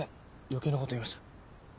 余計なこと言いました。